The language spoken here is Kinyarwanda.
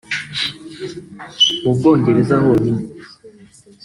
Mu Bwongereza honyine